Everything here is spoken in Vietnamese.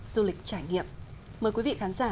du lịch trải nghiệm mời quý vị khán giả